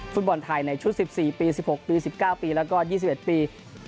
ฟุตบอลไทยในชุด๑๔ปี๑๖ปี๑๙ปีแล้วก็๒๑ปี